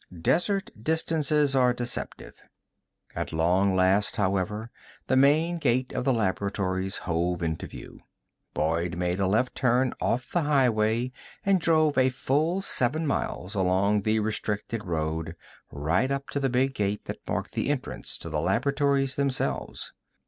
Desert distances are deceptive. At long last, however, the main gate of the laboratories hove into view. Boyd made a left turn off the highway and drove a full seven miles along the restricted road, right up to the big gate that marked the entrance of the laboratories themselves.